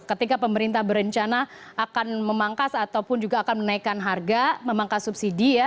ketika pemerintah berencana akan memangkas ataupun juga akan menaikkan harga memangkas subsidi ya